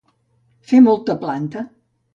Fer molta planta.